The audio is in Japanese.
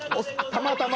たまたま。